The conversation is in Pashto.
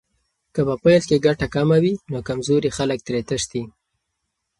که په پیل کې ګټه کمه وي، نو کمزوري خلک ترې تښتي.